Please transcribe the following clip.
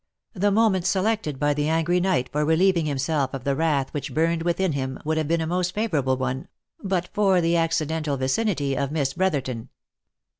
The moment selected by the angry knight for relieving himself of the wrath which burned within him would have been a most favourable one, but for the accidental vicinity of Miss Brotherton.